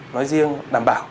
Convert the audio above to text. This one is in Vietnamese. nói riêng đảm bảo